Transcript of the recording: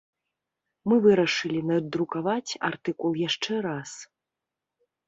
Мы вырашылі надрукаваць артыкул яшчэ раз.